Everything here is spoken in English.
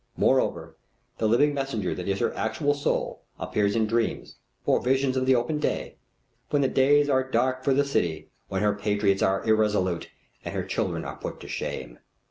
Moreover, the living messenger that is her actual soul appears in dreams, or visions of the open day, when the days are dark for the city, when her patriots are irresolute, and her children are put to shame.